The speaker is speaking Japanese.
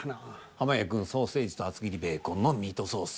濱家くん「ソーセージと厚切りベーコンのミートソース」。